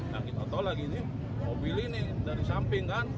nah kita tahu lagi ini mobil ini dari samping kan